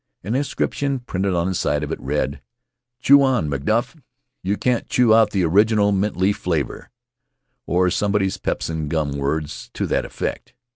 An inscription printed on the side of it read: "Chew on, MacDuff! You can't chew out the original mint leaf flavor" of somebody's pepsin gum — words to that effect.